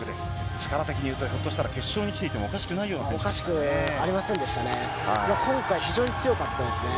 力的に言うと、ひょっとしたら決勝に来ていてもおかしくないような選手ですね。